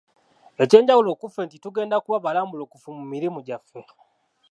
Ekyenjawulo ku ffe nti tugenda kuba balambulukufu mu mirimu gyaffe.